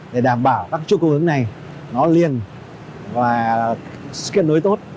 để đảm bảo các cái chỗ cơ hội này nó liền và kết nối tốt